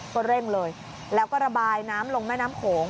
ก็เร่งเลยแล้วก็ระบายน้ำลงแม่น้ำโขง